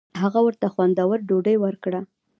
هغه ورته ښه خوندوره ډوډۍ ورکړه.